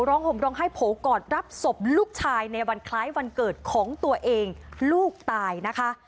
ห่มร้องไห้โผล่กอดรับศพลูกชายในวันคล้ายวันเกิดของตัวเองลูกตายนะคะ